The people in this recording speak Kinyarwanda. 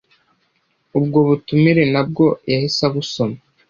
Ubwo butumire nabwo yahise abusoma.